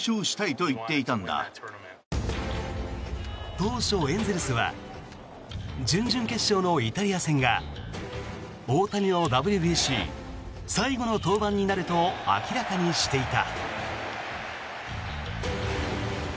当初、エンゼルスは準々決勝のイタリア戦が大谷のＷＢＣ最後の登板になると明らかにしていた。